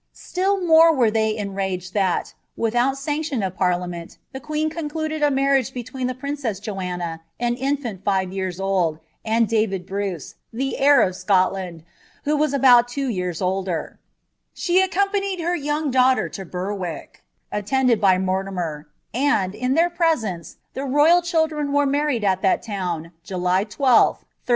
* Stitl omw aoi they enraged, that, without sanction of pariiameni, the qiisen eoodiAt a marriage between the princess Joanna, an infant live j^emn oU^tfJ David Brace, the heir of Scotland, who was about tvro ycai* sUk She aecompanied her young daughter lo Berwick, attended by Mv^aK, and, in their presence, the royal children were luarried at thaIM«% July 12, 1328.'